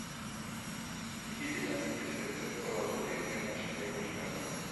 იგი დედამიწის ერთ-ერთ ყველაზე დიდ ენას მიეკუთვნება.